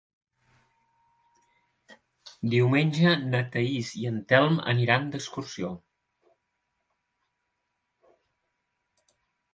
Diumenge na Thaís i en Telm aniran d'excursió.